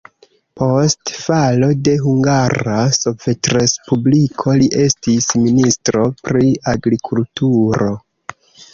Post falo de Hungara Sovetrespubliko li estis ministro pri agrikulturo.